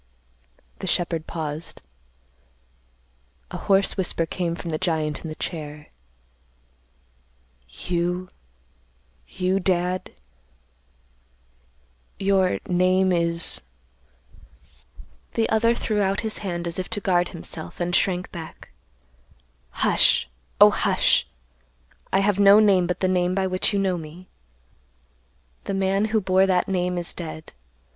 The shepherd paused. A hoarse whisper came from the giant in the chair, "You—you, Dad, your—name is—" The other threw out his hand, as if to guard himself, and shrank back; "Hush, oh hush! I have no name but the name by which you know me. The man who bore that name is dead.